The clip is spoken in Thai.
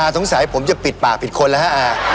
ทงสายผมก็เอาปิดปากพิดคนแล้ว